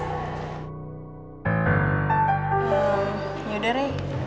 hmm yaudah rey